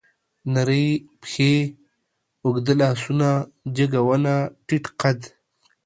نرۍ پښې، اوږده لاسونه، جګه ونه، ټيټ قد